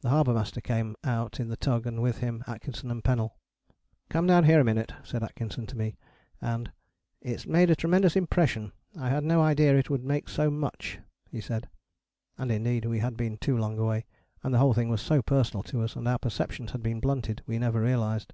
The Harbour master came out in the tug and with him Atkinson and Pennell. "Come down here a minute," said Atkinson to me, and "It's made a tremendous impression, I had no idea it would make so much," he said. And indeed we had been too long away, and the whole thing was so personal to us, and our perceptions had been blunted: we never realized.